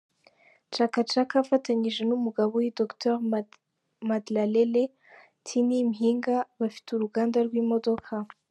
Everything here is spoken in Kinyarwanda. Chaka Chaka afatanyije n’umugabo we, Dr Mandlalele Tiny Mhinga, bafite uruganda rw’imodoka.